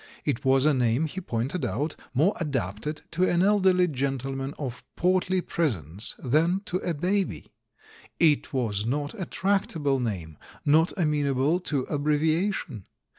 It was a name, he pointed out, more adapted to an elderly gentleman of portly presence than to a baby. It was not a tractable name, not amenable to abbreviation.